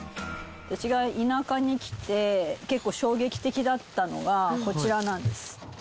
うちが田舎に来て結構衝撃的だったのがこちらなんです。